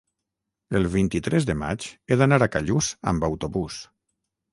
el vint-i-tres de maig he d'anar a Callús amb autobús.